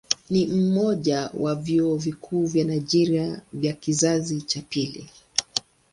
Ni mmoja ya vyuo vikuu vya Nigeria vya kizazi cha pili.